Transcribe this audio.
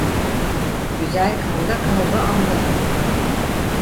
Güzel kanda kavga anda.